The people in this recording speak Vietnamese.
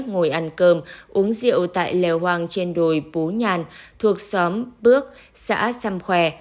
ngồi ăn cơm uống rượu tại lèo hoang trên đồi pú nhàn thuộc xóm bước xã sam khoe